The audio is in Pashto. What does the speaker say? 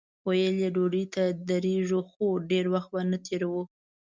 هغه ویل ډوډۍ ته درېږو خو ډېر وخت به نه تېروو.